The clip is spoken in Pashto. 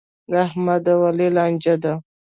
د احمد او علي لانجه ده.